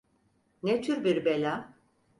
Ne tür bir bela?